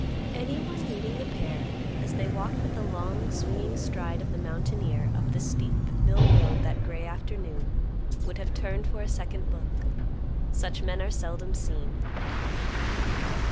Anyone meeting the pair, as they walked with the long swinging stride of the mountaineer up the steep mill road that gray afternoon, would have turned for a second look; such men are seldom seen.